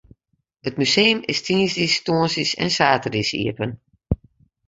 It museum is tiisdeis, tongersdeis en saterdeis iepen.